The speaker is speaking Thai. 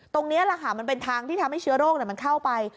ตรงนี้แหละค่ะมันเป็นทางที่ทำให้เชื้อโรคมันเข้าไป